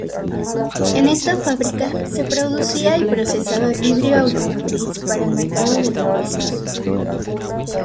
En esta fábrica se producía y procesaba vidrio automotriz para el mercado de repuestos.